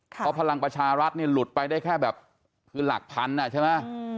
เพราะพลังประชารัฐหลุดไปได้แค่แบบหลักพันธุ์